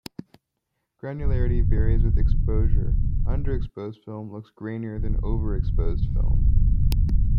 Granularity varies with exposure - underexposed film looks grainier than overexposed film.